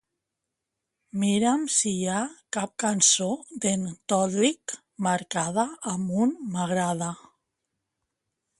Mira'm si hi ha cap cançó d'en Todrick marcada amb un "m'agrada".